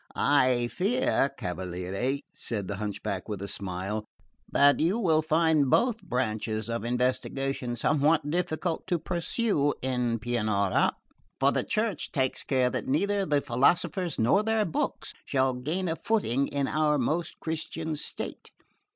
"I fear, Cavaliere," said the hunchback with a smile, "that you will find both branches of investigation somewhat difficult to pursue in Pianura; for the Church takes care that neither the philosophers nor their books shall gain a footing in our most Christian state.